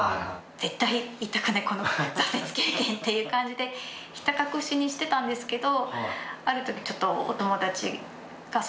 「絶対言いたくないこの挫折経験」っていう感じでひた隠しにしてたんですけど。